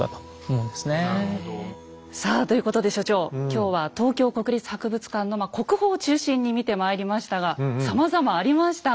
今日は東京国立博物館の国宝を中心に見てまいりましたがさまざまありました。